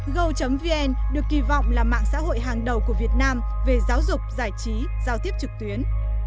go vn được kỳ vọng là mạng xã hội hàng đầu của việt nam về giáo dục giải trí giao tiếp trực tuyến